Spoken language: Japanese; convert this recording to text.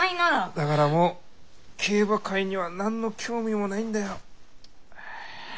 だからもう競馬界には何の興味もないんだよ。